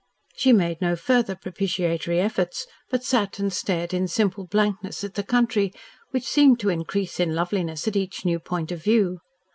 She made no further propitiatory efforts, but sat and stared in simple blankness at the country, which seemed to increase in loveliness at each new point of view.